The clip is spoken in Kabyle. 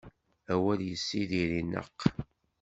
Awal yessidir ineqq.